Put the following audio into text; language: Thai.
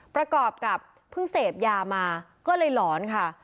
ประกอบกับเพิ่งเสพยามาก็เลยหลอนค่ะ